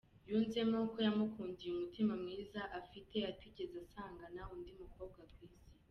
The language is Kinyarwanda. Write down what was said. Yunzemo ko yamukundiye umutima mwiza afite atigeze asangana undi mukobwa ku isi.